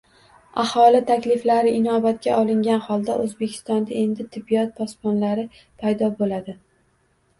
Aholi takliflari inobatga olingan holda, Oʻzbekistonda endi "tibbiyot posbonlari” paydo boʻladi.